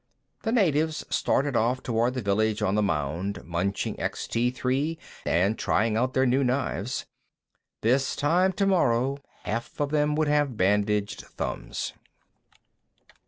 The natives started off toward the village on the mound, munching Extee Three and trying out their new knives. This time tomorrow, half of them would have bandaged thumbs.